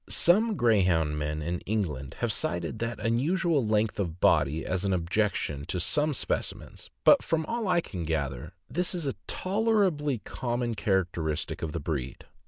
Some Greyhound men in England have cited the unusual length of body as an objec tion to some specimens, but from all I can gather, this is a tolerably common characteristic of the breed.